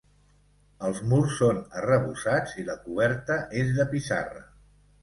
Els murs són arrebossats i la coberta és de pissarra.